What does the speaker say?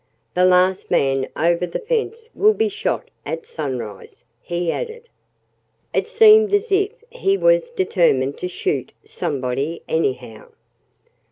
The last man over the fence will be shot at sunrise," he added. It seemed as if he was determined to shoot somebody, anyhow.